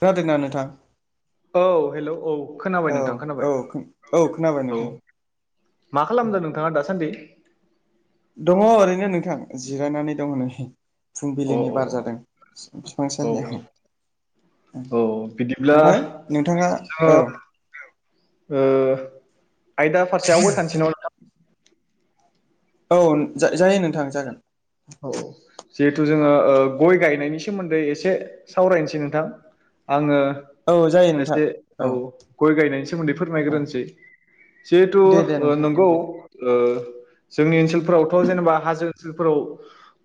खोनादोंना नोंथां? औ हेल' औ। खोनाबाय औ नोंथां औ खोनाबाय औ खोनाबाय औ-औ नोंथां औ मा खालामदों नोंथाङा दासान्दि? दङ' ओरैनो नोंथां जिरायनानै दङ' नै। फुंबिलिनि अ बार औ जादों फि-फिफां औ साहायाव। ओ औ बिदिब्ला ओमफ्राय नोंथांङा जोङो औ। ओ आयदा फारसे आवगायखानोसै नामा नोंथां? औ जा-जायो नोंथां जागोन। औ-औ जिहेथु जोङो ओ गय गायनायनि सोमोन्दै एसे सावरायनोसै नोंथां? आङो औ जायो नोंथां एसे औ गय गायनायनि सोमोन्दै औ फोरमायग्रोनोसै। जिहेथु दे दे ओ नोंथां नंगौ नोंथां ओ जोंनि ओनसोलफोरावथ' जेनेबा हाजो ओनसोलफोराव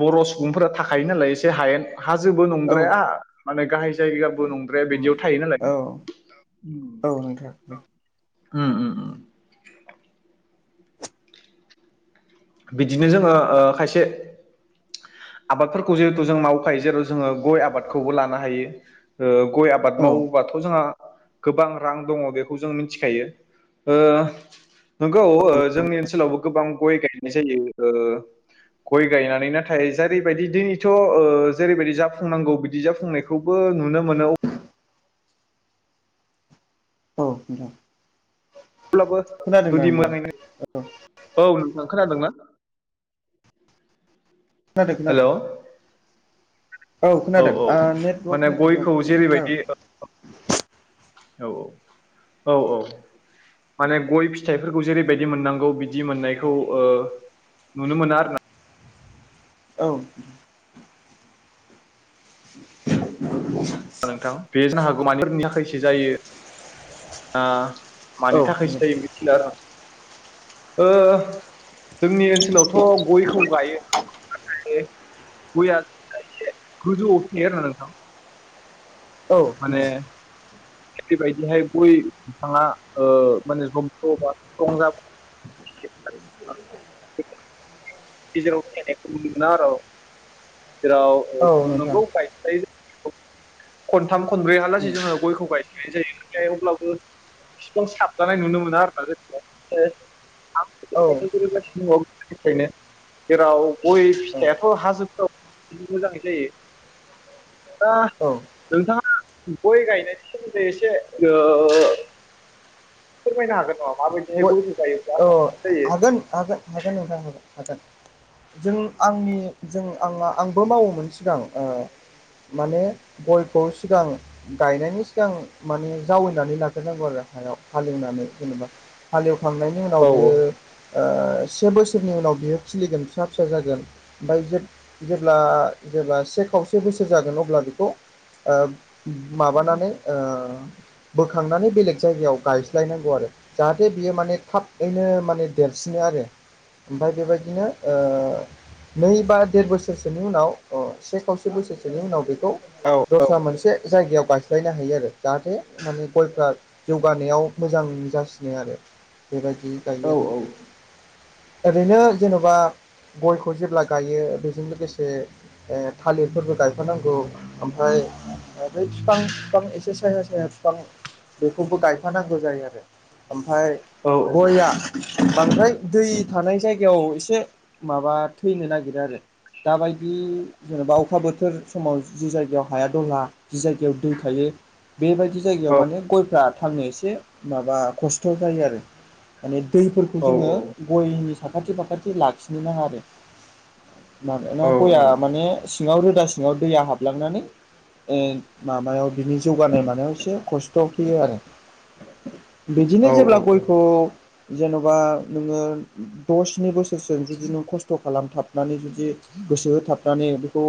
बर' सुबुंफोरा थाखायो नालाय एसे हायेन हाजोबो औ नंद्राया माने गाहाय जायगाबो नंद्राया बिदियाव थायो नालाय। औ औ नोंथां। ओ-ओ-ओ। बिदिनो जोङो ओ खायसे आबादफोरखौ जिहेथु जों मावखायो जेराव जोङो गय आबादखौबो लानो हायो ओ गय आबाद औ मावोबाथ' जोंहा गोबां रां दङ' बेखौ जों मिथिखायो ओ नंगौ ओ जोंनि ओनसोलावबो गोबां गय गायनाय जायो ओ गय गायनानै नाथाय जारैबायदि दिनैथ' ओ जेरैबायदि जाफुंनांगौ बिदि जाफुंनायखौबो नुनो मोनो औ। औ देे। अब्लाबो जुदि [unintelligible] औ नोंथां। खोनादोंना? खोनादों-खोनादों। औ-औ माने नेटवर्कनि प्रब्लेम गयखौ खोनादों जेरैबायदि औ-औ औ-औ। माने गय फिथाइफोरखौ जेरैबायदि मोननांगौ बिदि मोननायखौ ओ नुनो मोना आरो ना। औ। [inaudible] नोंथां बे जानो हागौ मानिफोरनि थाखायसो जायो ओ। औ मानि थाखायसो जायो मिथिला आरो आं ओ जोंनि ओनसोलावथ' गयखौ गायो। थायो गया एसे गोजौ आवसो थायो आरो नोंथां। औ न माने बेबायदिहाय गय बिफाङा ओ माने जबदबा स्थ्रं जाबाेयो। [unintelligible] गेजेराव थानायख नुनो मोनो आरो' जेराव औ नोंथां नंगौ बायायो। खनथाम खनब्रै हलासे जोङो गयखौ गाय जायो थाय अब्लाबो स्कल साबजानाय नुनो मोना आरो ना औ [unintelligible] [unintelligible] फ्रायनो। जेराव गय औ फिथाइाथ' हाजोफोराव मोजाङै जायो। दा औ नोंथाङा गय गायनायनि सोमोन्दै एसे ओ फोरमायनो हागोन नामा? माबायदिहाय गयखौ गायोब्ला ओ साबसिन जायो हागोनोन हागोन हागोन हागोन। जों आंनि जों आंना आंबो मावोमोन सिगां ओ माने गयखौ सिगां गायनायनि सिगां माने जावैनानै लाग्रोनांगौ आरो। सायाव हालिवनानै जेनेबा हालिवखांनायनि उनाव औ बियो ओ। से बोसोरनि उनाव बियो खिलिगोन फिसा फिसा जागोन ओमफ्राय जे- जेब्ला जेब्ला। से खावसे बोसोर जागोन अब्ला बेखौ ओ माबानानै ओ। बुरखांनानै बेलेग जायगायाव गायस्लायनांगौ आरो जाहाथे बियो माने थाबैनो माने देरसिनो आरो ओमफ्राय बेबायदिनो ओ नै बा देर बोसोरसोनि उनाव ओ से खावसे बोसोरसो नि उनाव बेखौ औ दस्रा मोनसे जायगायाव गायस्लायनो हायो आरो जाहाथे माने गयफ्रा जौगानायाव मोजां जासिनो आरो बेबायदि औ गायो आरो। ओरैनो जेन'बा गयखौ जेब्ला गायो बेजों लोगोसे ओ थालिरफोरबो गायफानांगौ ओमफ्राय बै बिफां बिफां एसे साया साया फिफां बेखौबो गायफानांगौ जायो आरो। ओमफाय गया बांद्राय दै थानाय जायगायाव एसे माबा थैनो नागि रो आरो दाबायदि जेनेबा अखा बोथोर समाव जि जायगायाव हाया दलहा जि जायगायाव दै थायो बेबायदि जायगायाव माने गयफ्रा थांनो एसे माबा खस्थ' जायो आरो। माने दैफोरखौ जोङो गयनि फाखाथि फाखाथि लाखिनो नाङा आरो। मोनोना गया माने सिङाव रोदा सिङाव दैया हाबलांनानै ओ माबायाव बिनि जौगानाय मानायाव एसे खस्थ' फैयो आरो। बिदिनो जेब्ला गयखौ जेन'बा नोङो द स्नि बोसोरसजों जुदि नों खस्थ' खालामथाबनानै जुदि गोसो होथाबनानै बेखौ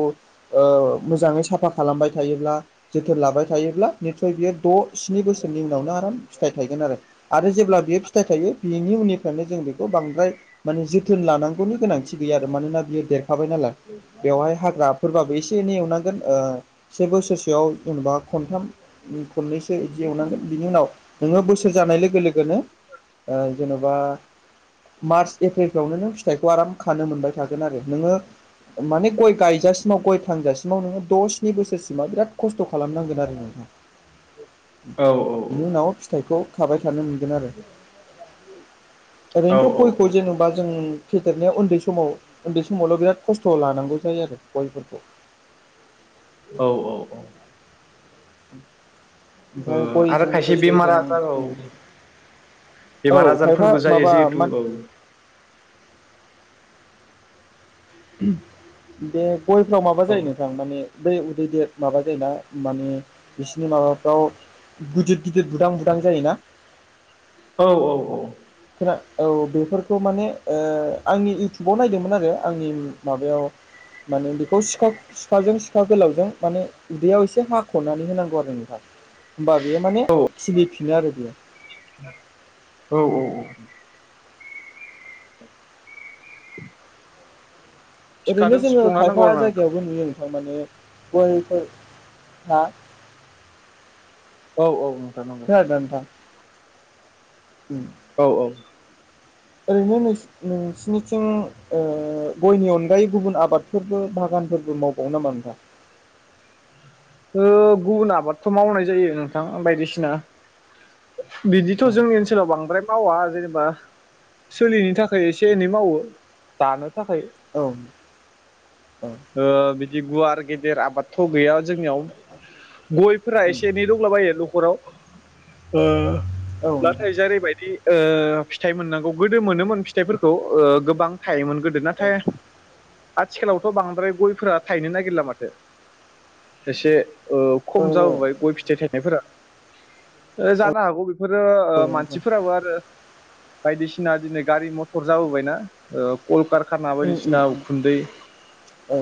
ओ मोजाङै साफा खालामबाय थायोब्ला जोथोन लाबाय थायो ब्ला नितसय बियो द' स्नि बोसोरनि उनावनो आराम फिथाइ थायगोन आरो आरो जेब्ला बेयो फिथाइ थायो बेनि उननिफ्रायनो जों बेखौ बांद्राय माने जोथोन लानां खुनु गोनांथि गैया आरो मानोना बियो देरखाबाय नालाय बेवहाय हाग्राफोरबाबो एसे एनै एवनांगोन ओ से बोसोरसेयाव जेन'बा खनथाम खननैसो बिदि एवनांगोन बिनि उनाव नोङो बोसोर जानाय लोगो लोगोनो ओ जेन'बा मार्च एप्रिलफ्रावनो नों फिथाइखौ आराम खानो मोनबाय। थागोन आरो नोङो माने गय गायजासिमाव गय थांजासिमाव नो द' स्नि बोसोर मा बिराद खस्थ' खालामनांगोन आरो। बिनि उनाव फिथाइखौ खाबाय थानो मोनगोन आरो। [inaudible] औ ओरैनोथ' गयखौ जेनेबा जों फेदेरनायाव उन्दै समाव उन्दै समावल' बिराद खस्थ' लानांगौ जायो आरो गयफोरखौ। [inaudible] औ ओ ओ ओमफ्राय आरो गयजों खायसे लोगोसे बेमार जों आजार औ औ बेमार खायफा आजारफोरबो जायो माबा मा जिहेथु औ दे गयफ्राव माबा औ जायो नोंथां माने बै उदै देेर माबा जायोना माने बिसिनि माबाफ्राव गिदिर गिदिर बुदां बुदां जायोना। औ औ औ खोना औ बेफोरखौ माने आंनि इउटुबाव नायदोंमोन आरो आंनि माबायाव माने बेखौ सिखा सिखाजों सिखा गोलावजों माने उदैयाव एसे हाख'नानै होनांगौ आरो नोंथां होमबा बेयो माने खिलिफिनो आरो बेयो। औ औ ओरैनो थिखादों जोङो सुफ्लंना नांगौ खायफा आरो ना जायगायावबो नुयो। माने गयफोर हा औ औ नोंथां नंगौ। खोनादोंना नोंथां? उम औ औ ओरैनो नोंसिनिथिं गयनि अनगायै गुबुन आबादफोरबो बाहागो। बागानफोरबो मावबावनो नामा नोंथां? गुबुन आबादथ' मावनाय जायो नोंथां बायदिसिना बिदिथ' औ जोंनि ओनसोलाव बांद्राय मावा जेनेबा सोलिनि थाखाय एसे एनै मावो दानो। औ औ बिदि गुवार गेदेर आबादथ' गैया। जोंनियाव गयफोरा एसे एनै दंलाबायो न'खराव। नोंथां नाथाय जेरैबायदि फिथाइ मोननांगौ गोदो मोनोमोन फिथाइफोरखौ गोबां थायोमोन गोदो नाथाय आथिखालावथ' बांद्राय गयफोरा थायनो नागिरला माथो एसे औ खम जाबोबाय गय फिथाइ थायनायफोरा जानो हागौ। बेफोरो औ नोंथां मानसिफोराबो आरो बायदिसिना दिनै गारि मथर जाबोबायना कलकार खारना उम उम बायदिसिना उम उखुन्दै औ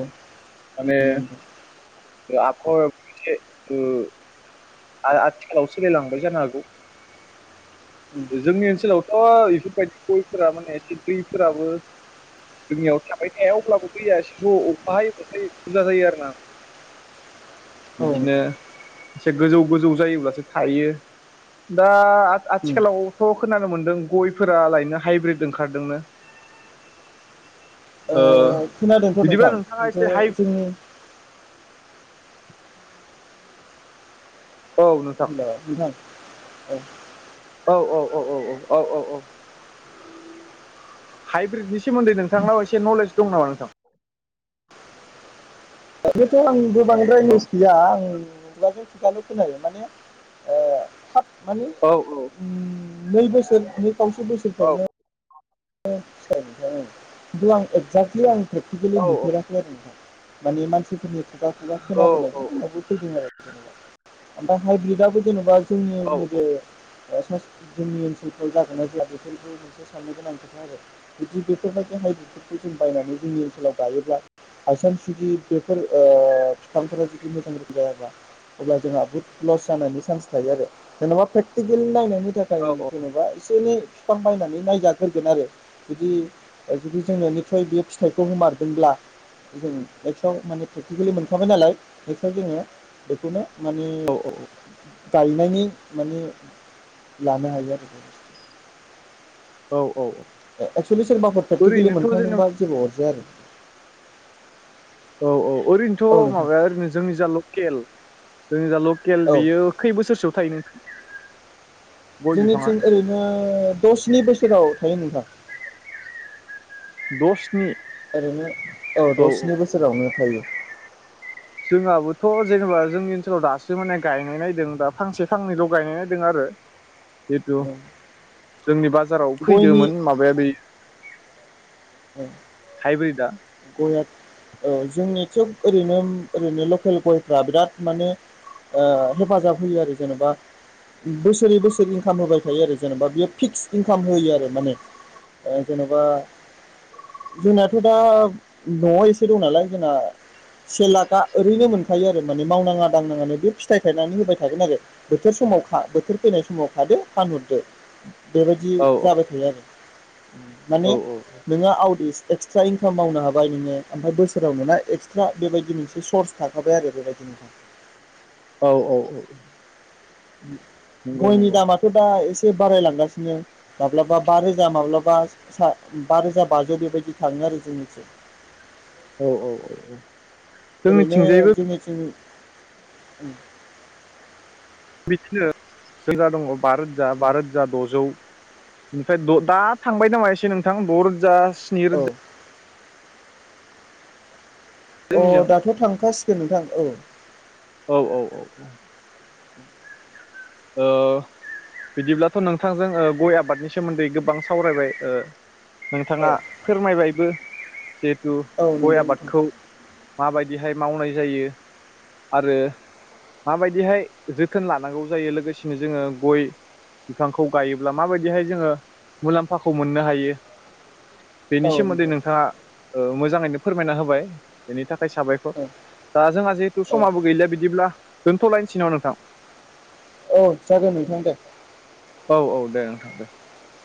माने नंगौ नोंथां आबहावा बिदि ओ आथिखालाव सोलिलांबाय जानो हागौ उम जोंनि ओनसोलाव थ' इफोरबायदि गयफोरा माने एसे दैफोराबो जोंनियाव थाबाय थाया अब्लाबो दैया ज'अखा हायो बाथाय बुजा जायो आरोना। [inaudible] औ बिदिनो नोंथां एसे गोजौ गोजौ जायोब्लासो थायो दा। दा उम खाथिखालावथ' खोनानो मोनदों गयफोरालायनो हाइब्रिद ओंखारदोंनो। ओ खोनादोंथ' बिदिबा नोंथां नोंथाङा खिन्थु एसे हाइ जोंनि औ नोंथां औ। औ औ हाइब्रिदनि सोमोन्दै नोंथांनाव एसे नलेज दं नामा नोंथां? बेथ' आं गोबांद्राय औ नलेस गैया आं खुगाजों खुगाल' खोनायो माने। माने औ नै बोसोर नै खावसे औ बोसोरफ्रावनो फिथाइ नोंथां ओं खिन्थु आं एक्जेक्टलि आं प्रेकटिकेलि औ नुफेराखै आरो नोंथां माने मानसि। फोरनि खुगा खुगा औ खोनाबोनायजों उनावबो फैदों आरो जेनेबा ओमफ्राय हाइब्रिदाबो जेनेबा। औ [unintelligible] जोंनि ओनसोलफ्राव जागोन ना जाया बेफोरबो मोनसे साननो गोनां खोथा आरो बिदि बेफोरबायदि। बेहाय बेफोरखौ जों बायनानै जोंनि ओनसोलाव गायोब्ला। बायसान्स जुदि बेफोर ओ बिफांफ्रा मोजां जायाबा अब्ला जोंहा बहुथ लस जानायनि चान्स थायो आरो जेनेबा प्रेकटिकेल नायनो नि थाखाय जेन'बा एसे एनै बिफां बायनानै नायजाग्रोगोन आरो बिदि जुदि जों बिनिफ्राय बे फिथाइखौ हमारदोंब्ला जों नेक्स्टआव माने प्रेकटिकेलि मोनखाबाय नालाय नेक्स्टआव जोङो बेखौनो मानि औ गायनायनि माने लानो हायो आरोखि औ औ औ एक्सुलि सोरबाफोर प्रेकटिकेलि जोंना मोनखांदोंबा जेबो अरजाया आरो औ औ औ ओरैनोथ' नोंथां माबाया ओरैनो जोंनि जा लकेल जोंनि जा ल केल औ बेयो खै बोसोरसोआव थायोनो जोंनिथिं ओरैनो द' स्नि बोसोराव थायो नोंथां। द' स्नि ओरैनो औ द' स्नि बोसोरावनो थायो। जोंहाबोथ' जेनेबा जोंनि ओनसोलाव दासो माने गायनाय नायदों दा फांसे फांनैल' गायनाय नायदों आरो जेथु जोंनि बाजाराव गयनि फैदोमोन माबाया बेै [inaudible] [unintelligible] गया औ जोंनि खोब ओरैनो ओरैनो लकेल गयफ्रा बिराद माने ओ हेफाजाब होयो आरो जेनेबा बोसोरै बोसोरै इनकाम होबाय थायो आरो जेनेबा बियो फिक्स इनकाम होयो आरो माने ओ जेन'बा जोंनाथ' दा न'आव एसे दं नालाय जोंना से लाखआ ओरैनो मोनखायो आरो माने मावनाङा दांनाङानो बे फिथाइ थायनानै होबाय थागोन आरो बोथोर समावखा बोथोर फैनाय समाव खादो फानहरदो। बेबायदि औ जाबाय थायो आरो माने औ नोङो [unintelligible] एक्सट्रा इनकाम मावनो हाबाय नोङो ओमफ्राय बोसोराव नोंना एक्सट्रा बेबायदि मोनसे सर्स थाखाबाय आरो बेबायदि नोंहा। औ औ औ नंगौ गयनि नंगौ दामाथ' दा एसे बारायलांगासिनो माब्लाबा बा रोजा माब्लाबा सा बा रोजा बाजौ बेबायदि थाङो। आरो जिनोसै औ औ औ औ ओरैनो जोंनिथिंजायबो जोंनिथिं बिथगनो जोंना दङ बा रोजा बा रोजा द'जौ ओमफ्राय दा थांबाय नामा एसे नोंथां द' रोजा स्नि औ रोजा अ जोंनिजों दाथ' थांखासिगोन नोंथां औ औ औ औ ओ बिदिब्लाथ' नोंथांजों ओ गय आबादनि सोमोनदै गोबां सावरायबाय ओ औ नोंथाङा फोरमायबायबो जिहेथु औ गय नंगौ नोंथां आबादखौ माबायदि बेहाय मावनाय जायो आरो माबायदिहाय जोथोन लानांगौ जायो लोगोसेनो जोङो गय बिफांखौ गायोब्ला माबायदिहाय जोङो मुलामफाखौ मोननो हायो बेनि औ सोमोनदै नंगौ नोंथाङा ओ मोजाङैनो फोरमायना होबाय बेनि था खाय साबायखर औ दा जोंहा जिहेथु औ समाबो गैलिया बिदिब्ला दोनथ'लायनसै नामा नोंथां? औ जागोन नोंथां दे। औ [unintelligible]